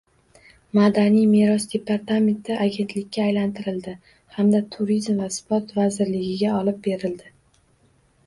Madaniy meros departamenti agentlikka aylantirildi hamda Turizm va sport vazirligiga olib berildi